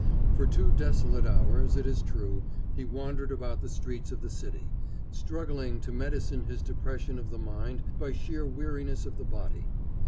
For two desolate hours, it is true, he wandered about the streets of the city, struggling to medicine his depression of the mind by sheer weariness of the body.